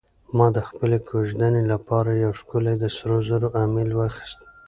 ما د خپلې کوژدنې لپاره یو ښکلی د سرو زرو امیل واخیست.